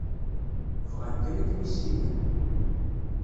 Bɣan kan ad kem-issinen.